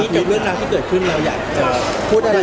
กับเรื่องราวที่เกิดขึ้นเราอยากจะพูดอะไร